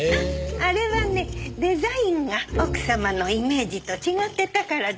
あれはねデザインが奥様のイメージと違ってたからですよ。